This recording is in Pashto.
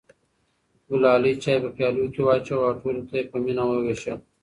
ګلالۍ چای په پیالو کې واچوه او ټولو ته یې په مینه وویشل.